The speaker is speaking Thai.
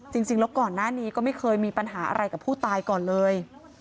จริงแล้วก่อนหน้านี้ก็ไม่เคยมีปัญหาอะไรกับผู้ตายก่อนเลย